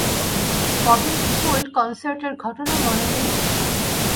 ববির school কনসার্টের ঘটনা মনে নেই?